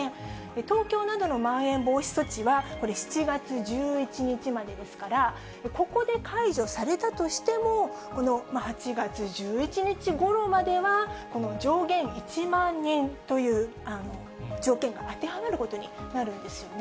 東京などのまん延防止措置は、７月１１日までですから、ここで解除されたとしても、この８月１１日ごろまでは、この上限１万人という条件が当てはまることになるんですよね。